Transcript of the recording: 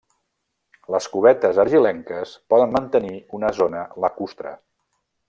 Les cubetes argilenques poden mantenir una zona lacustre.